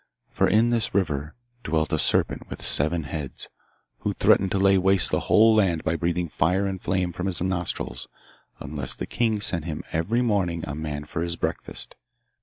For in this river dwelt a serpent with seven heads, who threatened to lay waste the whole land by breathing fire and flame from his nostrils unless the king sent him every morning a man for his breakfast.